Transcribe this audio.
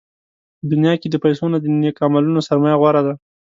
په دنیا کې د پیسو نه، د نېکو عملونو سرمایه غوره ده.